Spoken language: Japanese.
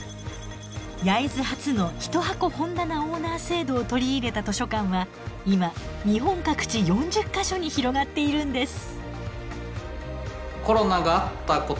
焼津発の一箱本棚オーナー制度を取り入れた図書館は今日本各地４０か所に広がっているんです。